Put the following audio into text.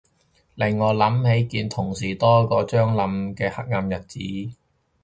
令我諗起見同事多過張牀嘅黑暗日子